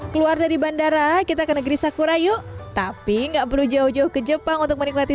keluar dari bandara kita ke negeri sakura yuk tapi nggak perlu jauh jauh ke jepang untuk menikmati